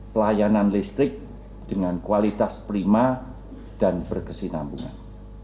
pelayanan listrik dengan kualitas prima dan berkesinambungan